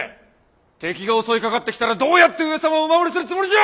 敵が襲いかかってきたらどうやって上様をお守りするつもりじゃ！